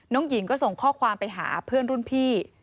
หญิงก็ส่งข้อความไปหาเพื่อนรุ่นพี่